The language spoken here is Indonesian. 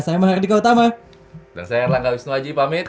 saya mahardika utama dan saya lenggal wisnuwaji